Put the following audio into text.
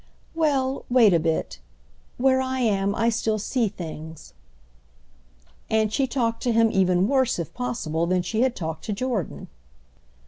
"Well, wait a bit. Where I am I still see things." And she talked to him even worse, if possible, than she had talked to Jordan.